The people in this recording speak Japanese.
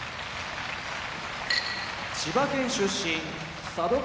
千葉県出身佐渡ヶ